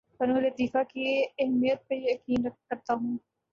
فنون لطیفہ کی اہمیت پر یقین کرتا ہوں